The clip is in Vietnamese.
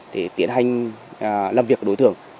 để tiến hành làm việc đối tượng